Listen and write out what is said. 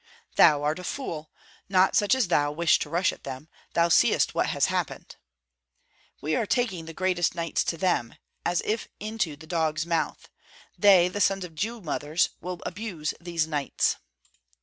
"Thou art a fool! Not such as thou wish to rush at them; thou seest what has happened." "We are taking the greatest knights to them, as if into the dog's mouth. They, the sons of Jew mothers, will abuse these knights."